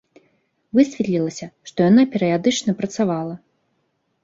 Высветлілася, што яна перыядычна працавала.